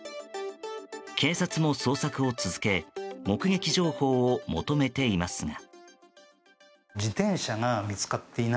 警察も捜索を続け目撃情報を求めていますが。